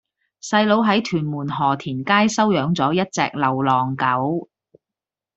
細佬喺屯門河田街收養左一隻流浪狗